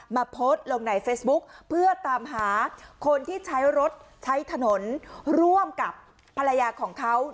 โพสต์ลงในเฟซบุ๊คเพื่อตามหาคนที่ใช้รถใช้ถนนร่วมกับภรรยาของเขา